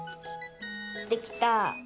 できた。